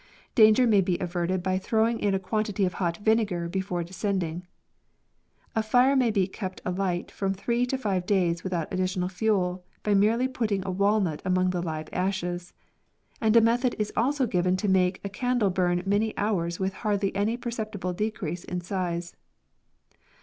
Danger may be averted by throwing in a quantity of hot vinegar before descend ing. A fire may be kept alight from three to five days without additional fuel by merely putting a walnut among the live ashes ; and a method is also given to make a candle burn many hours with hardly any perceptible decrease in size.